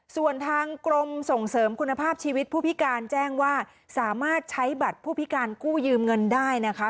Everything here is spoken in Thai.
ส่วนทางกรมส่งเสริมคุณภาพชีวิตผู้พิการแจ้งว่าสามารถใช้บัตรผู้พิการกู้ยืมเงินได้นะคะ